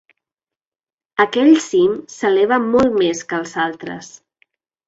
Aquell cim s'eleva molt més que els altres.